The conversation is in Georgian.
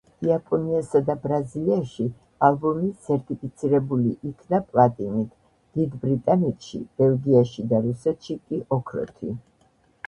იაპონიასა და ბრაზილიაში ალბომი სერტიფიცირებული იქნა პლატინით, დიდ ბრიტანეტში, ბელგიაში და რუსეთში კი ოქროთი.